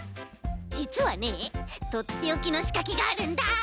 じつはねとっておきのしかけがあるんだ。